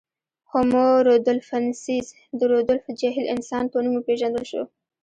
هومو رودولفنسیس د رودولف جهیل انسان په نوم وپېژندل شو.